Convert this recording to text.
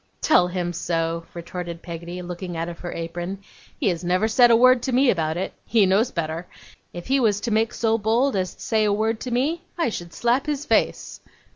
'Tell him so,' retorted Peggotty, looking out of her apron. 'He has never said a word to me about it. He knows better. If he was to make so bold as say a word to me, I should slap his face.